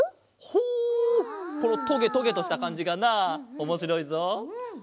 ほうこのトゲトゲとしたかんじがなあ！おもしろいぞ！